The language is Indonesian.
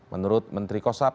menurut menteri kossap